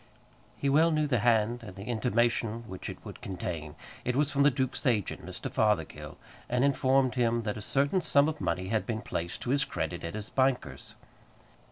He well knew the hand and the intimation which it would contain. It was from the duke's agent, Mr. Fothergill, and informed him that a certain sum of money had been placed to his credit at his banker's.